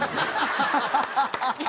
ハハハハ！